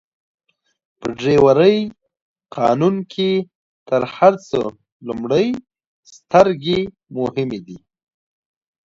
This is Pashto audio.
په ډرایورۍ قانون کي تر هر څه لومړئ سترګي مهمه دي.